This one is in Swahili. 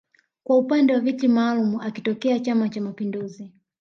kwa upande wa viti maalum akitokea chama cha mapinduzi